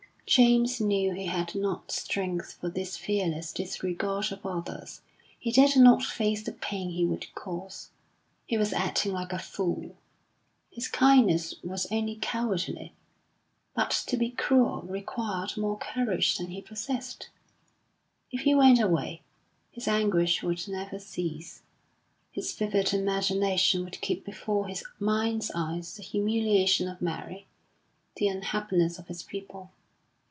James knew he had not strength for this fearless disregard of others; he dared not face the pain he would cause. He was acting like a fool; his kindness was only cowardly. But to be cruel required more courage than he possessed. If he went away, his anguish would never cease; his vivid imagination would keep before his mind's eye the humiliation of Mary, the unhappiness of his people.